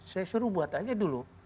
saya suruh buat aja dulu